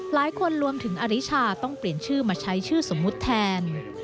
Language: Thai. รวมถึงอริชาต้องเปลี่ยนชื่อมาใช้ชื่อสมมุติแทน